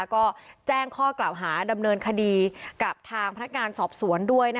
ก็แจ้งข้อกล่าวหาดำเนินคดีกับทางพนักงานสอบสวนด้วย